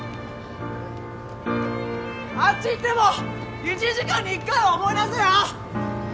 あっち行っても１時間に１回は思い出せよ！